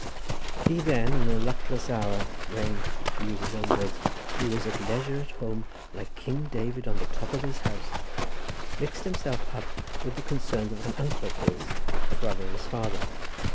He then, in a luckless hour, "when," to use his own words, "he was at leisure at home, like King David on the top of his house," mixed himself up with the concerns of an uncle of his, a brother of his father.